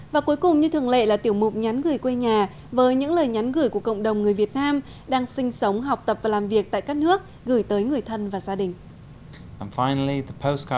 và cuối cùng như thường lệ là tiểu mục nhắn gửi quê nhà với những lời nhắn gửi của cộng đồng người việt nam đang sinh sống học tập và làm việc tại các nước gửi tới người thân và gia đình